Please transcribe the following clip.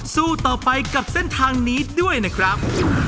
สู้ต่อไปกับเส้นทางนี้ด้วยนะครับ